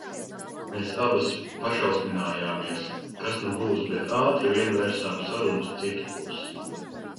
Mēs abas pašausminājāmies, kas nu būs, bet ātri vien vērsām sarunu uz citu pusi.